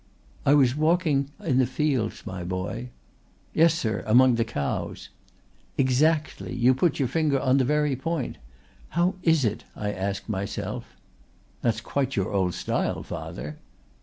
"I was walking in the fields, my boy." "Yes, sir, among the cows." "Exactly, you put your finger on the very point. How is it, I asked myself " "That's quite your old style, father."